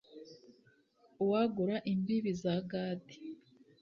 Uwagura imbibi za Gadi